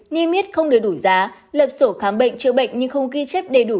nghi miết không đầy đủ giá lập sổ khám bệnh chữa bệnh nhưng không ghi chép đầy đủ